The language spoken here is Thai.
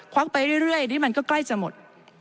ควักเงินไปเรื่อยดินมันก็ใกล้จะหมด